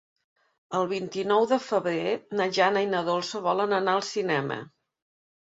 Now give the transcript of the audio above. El vint-i-nou de febrer na Jana i na Dolça volen anar al cinema.